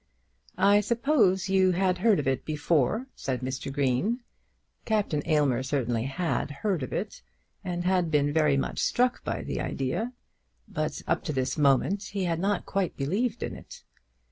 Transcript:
"I suppose you had heard of it before," said Mr. Green. Captain Aylmer certainly had heard of it, and had been very much struck by the idea; but up to this moment he had not quite believed in it.